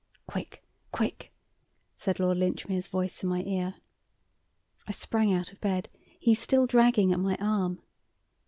"Quick! Quick!" said Lord Linchmere's voice in my ear. I sprang out of bed, he still dragging at my arm.